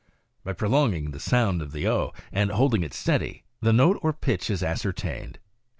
By prolong ing the sound of the o, and holding it steady, the note or pitch is ascertained.